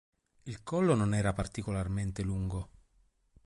Il collo non era particolarmente lungo.